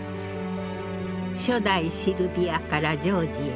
初代シルヴィアからジョージへ。